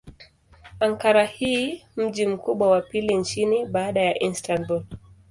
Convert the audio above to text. Ankara ni mji mkubwa wa pili nchini baada ya Istanbul.